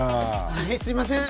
はいすいません。